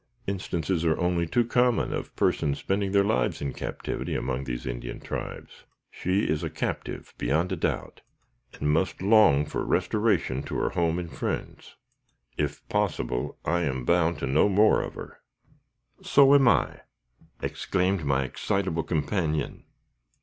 Instances are only too common of persons spending their lives in captivity among these Indian tribes. She is a captive, beyond a doubt, and must long for restoration to her home and friends. If possible, I am bound to know more of her." "So am I!" exclaimed my excitable companion.